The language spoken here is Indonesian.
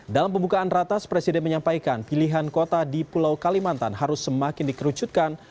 dalam pembukaan ratas presiden menyampaikan pilihan kota di pulau kalimantan harus semakin dikerucutkan